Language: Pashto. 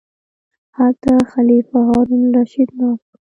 هلته خلیفه هارون الرشید ناست و.